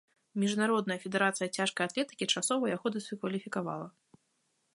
Міжнародная федэрацыя цяжкай атлетыкі часова яго дыскваліфікавала.